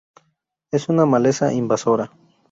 Es una maleza invasora.